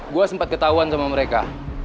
gue sempat ketahuan sama mereka